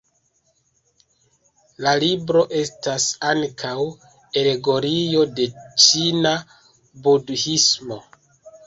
La libro estas ankaŭ alegorio de ĉina Budhismo.